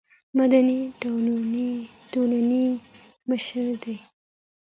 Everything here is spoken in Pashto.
مدني ټولنې مشر دی.